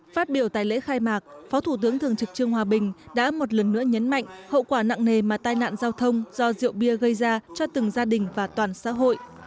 phát biểu tại lễ khai mạc phó thủ tướng thường trực trương hòa bình đã một lần nữa nhấn mạnh hậu quả nặng nề mà tai nạn giao thông do rượu bia gây ra cho từng gia đình và toàn xã hội